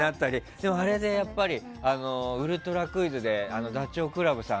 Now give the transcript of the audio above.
でも「ウルトラクイズ」でダチョウ倶楽部さん